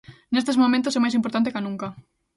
Nestes momentos é máis importante ca nunca.